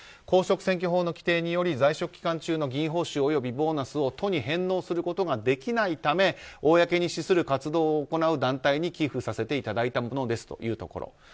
公職選挙法の規定により在職期間中の議員報酬およびボーナスを都に返納することができないため公に資する活動を行う団体に寄付させていただいたものですというところ。